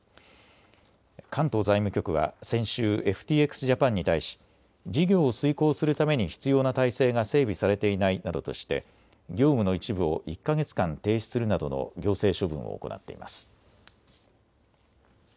関東財務局は先週、ＦＴＸジャパンに対し事業を遂行するために必要な体制が整備されていないなどとして業務の一部を１か月間停止するなどの行政処分を行っています。